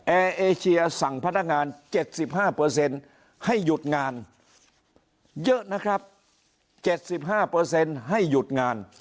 เอเชียสั่งพนักงาน๗๕ให้หยุดงานเยอะนะครับ๗๕ให้หยุดงาน